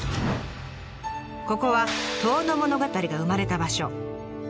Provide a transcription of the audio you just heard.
ここは「遠野物語」が生まれた場所。